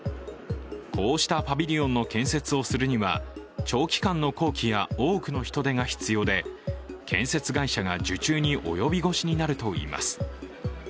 こうしたパビリオンの建設をするには長期間の工期や多くの人手が必要で、建設会社が受注に及び腰になるといいます。